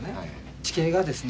地形がですね